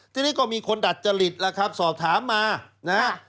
ที่นี่ก็มีคนดัดจริตล่ะครับสอบถามมานะครับ